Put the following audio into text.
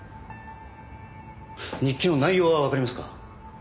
日記の内容はわかりますか？